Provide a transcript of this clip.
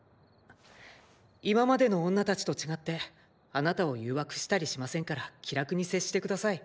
今までの女たちと違ってあなたを誘惑したりしませんから気楽に接して下さい。